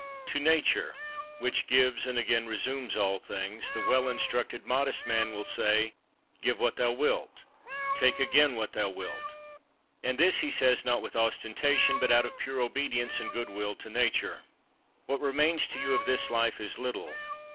14. To Nature, which gives and again resumes all things, the well instructed, modest man will say: "Give what thou wilt; take again what thou wilt." And this he says, not with ostentation, but out of pure obedience and good will to Nature. 15. What remains to you of this life is little.